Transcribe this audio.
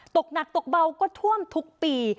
ตกหนักตกเบาก็ท่วมทุกปี